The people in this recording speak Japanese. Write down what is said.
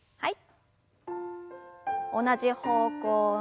はい。